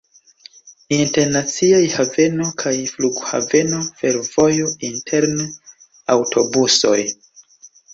Internaciaj haveno kaj flughaveno, fervojo, interne aŭtobusoj.